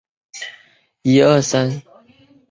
确保此专案可以顺利进行